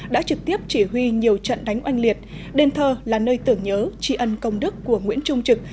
đã trực tiếp chỉ huy nhiều trận đánh oanh liệt đền thờ là nơi tưởng nhớ tri ân công đức của nguyễn trung trực